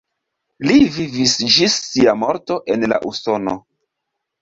Li vivis ĝis sia morto en la Usono.